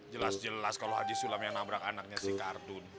jelas jelas kalau haji sulam yang nabrak anaknya si kardun